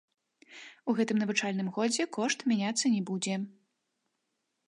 У гэтым навучальным годзе кошт мяняцца не будзе.